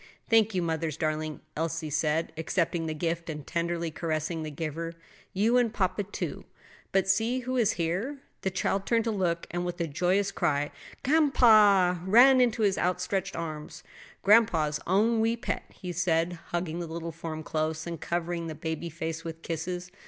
"Thank you, mother's darling," Elsie said, accepting the gift and tenderly caressing the giver; "you and papa, too. But see who is here?" The child turned to look, and with a joyous cry "G'anpa!" ran into his outstretched arms. "Grandpa's own wee pet," he said, hugging the little form close and covering the baby face with kisses.